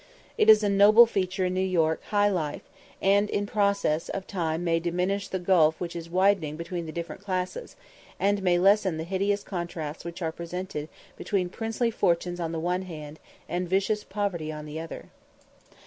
It is a noble feature in New York "high life," and in process of time may diminish the gulf which is widening between the different classes, and may lessen the hideous contrasts which are presented between princely fortunes on the one hand, and vicious poverty on the other.